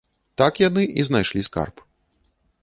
Так яны і знайшлі скарб.